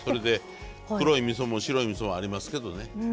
黒いみそも白いみそもありますけどね。